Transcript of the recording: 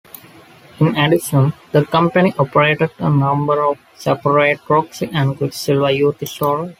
In addition, the company operated a number of separate Roxy and Quiksilver Youth stores.